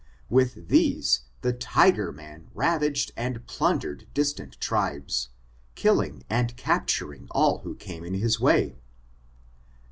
With these, this tiger man ravaged and plundered distant tribes, killing and capturing all who came in his way.